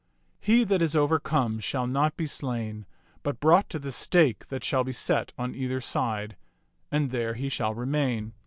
He that is overcome shall not be slain, but brought to the stake that shall be set on either side ; and there he shall remain.